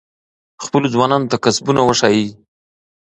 خپلو ځوانانو ته کسبونه وښایئ.